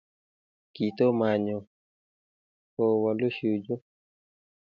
kitomo anyoo, kowolu Shuju